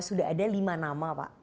sudah ada lima nama pak